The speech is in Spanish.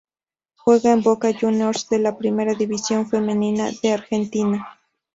Juega en Boca Juniors de la Primera División Femenina de Argentina.